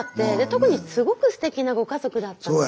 特にすごくすてきなご家族だったので。